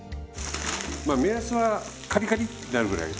まあ目安はカリカリってなるぐらい。